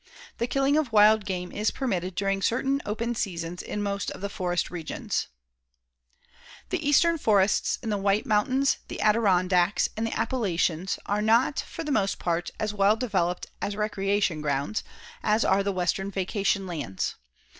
The killing of wild game is permitted during certain open seasons in most of the forest regions. [Illustration: GOOD FORESTS MEAN GOOD HUNTING AND FISHING] The eastern forests in the White Mountains, the Adirondacks, and the Appalachians, are not, for the most part, as well developed as recreation grounds as are the western vacation lands.